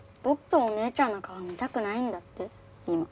僕とお姉ちゃんの顔見たくないんだって今。